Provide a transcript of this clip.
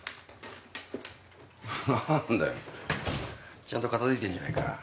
何だちゃんと片づいてんじゃねえか